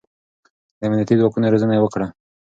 د امنيتي ځواک روزنه يې وکړه.